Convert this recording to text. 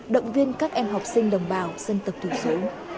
động viên các em học sinh đồng bào dân tộc thiểu số